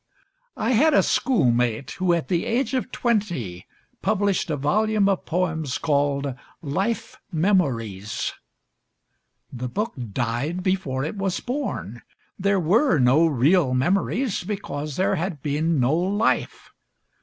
I had a schoolmate who at the age of twenty published a volume of poems called 'Life Memories.' The book died before it was born. There were no real memories, because there had been no life.